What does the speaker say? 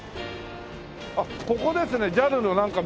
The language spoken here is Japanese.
あっここですねＪＡＬのなんかミュージアム。